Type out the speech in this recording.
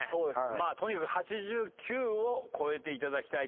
まあとにかく８９を超えていただきたいと思います。